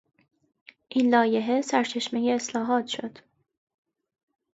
این لایحه سرچشمهی اصلاحات شد.